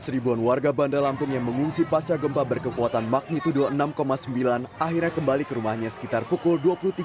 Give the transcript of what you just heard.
seribuan warga bandar lampung yang mengungsi pasca gempa berkekuatan magnitudo enam sembilan akhirnya kembali ke rumahnya sekitar pukul dua puluh tiga